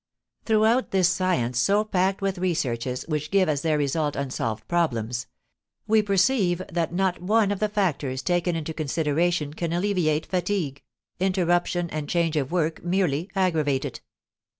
Throughout this science so packed with researches which give as their result unsolved problems, we perceive that not one of the factors taken into consideration can alleviate fatigue; interruption and change of work merely aggravate it.